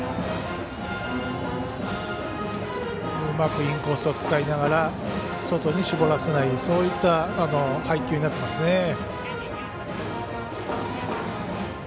うまくインコースを使いながら外に絞らせないそういった配球になってますね。